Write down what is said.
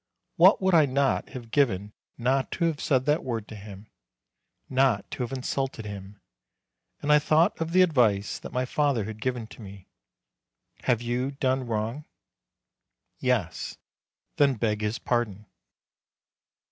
What would I not have given not to have said that word to him; not to have insulted him! And I thought of the advice that my father had given to me: "Have you done wrong?" "Yes." "Then beg his pardon."